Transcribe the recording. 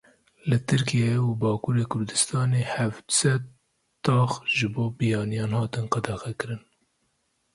Li Tirkiyeye û Bakurê Kurdistanê heft sed tax ji bo biyaniyan hatin qedexekirin.